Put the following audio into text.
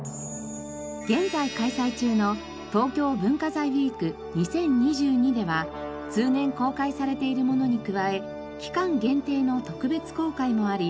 現在開催中の「東京文化財ウィーク２０２２」では通年公開されているものに加え期間限定の特別公開もあり